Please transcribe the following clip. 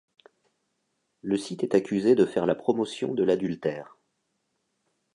Le site est accusé de faire la promotion de l'adultère.